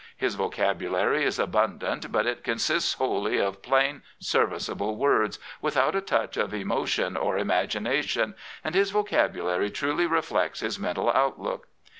His vocabulary is abundant, but it consists wholly of plain, serviceable words, without a touch of emotion or imagination, and his vocabulary truly reflects his mental outlook.